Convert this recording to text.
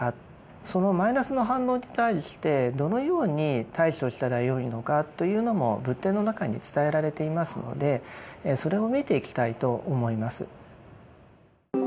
そのマイナスの反応に対してどのように対処したらよいのかというのも仏典の中に伝えられていますのでそれを見ていきたいと思います。